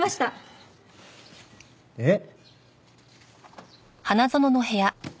えっ？